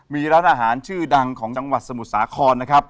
มีร้านอาหารชื่อดังของจังหวัดสมุดสาขร